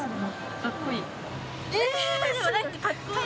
かっこいい。